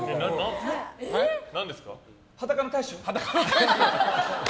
「裸の大将」？